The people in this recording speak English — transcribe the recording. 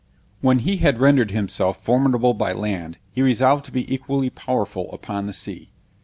When he had rendered himself formidable by land, he resolved to be equally powerful upon the sea.